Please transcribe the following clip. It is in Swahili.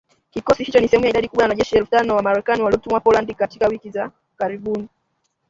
Kikosi hicho ni sehemu ya idadi kubwa ya wanajeshi elfu tano wa Marekani waliotumwa Poland katika wiki za karibuni.